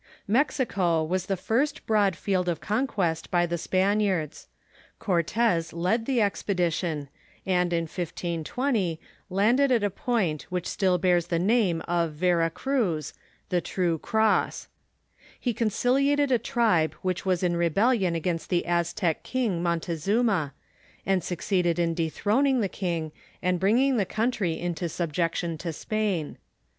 Mexico was the first broad field of conquest by the Span iards. Cortez led the expedition, and in 1520 landed at a point which still bears the name of Vera Cruz (the True Mexico t^ X TT i T . 1 1 • 1 • 1 11 Cross), lie conciliated a tribe which was in rebellion against the Aztec king Montezuma, and succeeded in dethron ing the king, and bringing the country into subjection to Spain.